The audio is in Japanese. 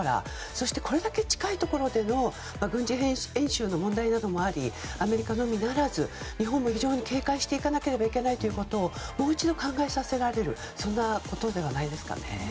そしてこれだけ近いところでの軍事演習の問題もありアメリカのみならず日本も警戒しなければならないということをもう一度考えさせられることではないですかね。